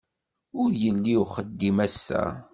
Ur yelli uxeddim ass-a